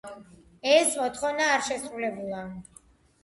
ეს მოთხოვნა არ შესრულებულა.